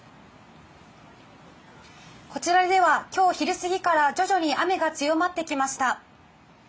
こちらでは今日昼過ぎから徐々に雨が強まってきました。